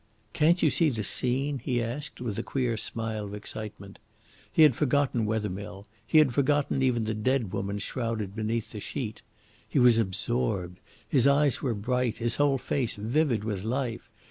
"Can't you see the scene?" he asked with a queer smile of excitement. He had forgotten Wethermill; he had forgotten even the dead woman shrouded beneath the sheet. He was absorbed. His eyes were bright, his whole face vivid with life.